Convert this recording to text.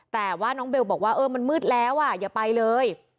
แต่ว่าน้องเบลบอกว่าเออมันมืดแล้วอย่าไปเลย